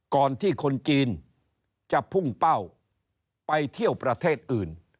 ก่อนที่คนจีนจะพุ่งเป้าไปเที่ยวประเทศอื่น